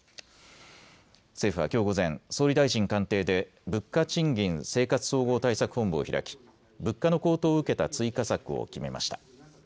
政府はきょう午前、総理大臣官邸で物価・賃金・生活総合対策本部を開き物価の高騰を受けた追加策を決めました。